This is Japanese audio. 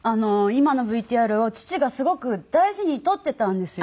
今のＶＴＲを父がすごく大事に取っていたんですよ。